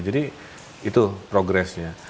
jadi itu progressnya